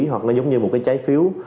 hoặc nó giống như một cái trái phiếu